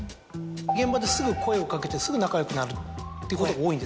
現場ですぐ声をかけてすぐ仲良くなるってことが多い？